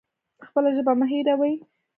خپله ژبه مه هیروئ